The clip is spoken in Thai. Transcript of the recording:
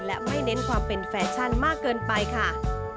และไม่เน้นความเป็นแฟชั่นมากเกินไปค่ะ